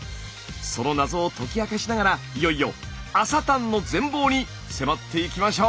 その謎を解き明かしながらいよいよ朝たんの全貌に迫っていきましょう！